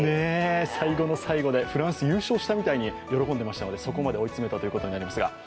最後の最後でフランス優勝したみたいに喜んでいたのでそこまで追い詰めたということになりますが。